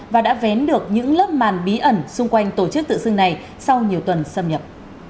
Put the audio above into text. và đã vén được những lớp màn bí ẩn xung quanh tổ chức tự xưng này sau nhiều tuần xâm nhập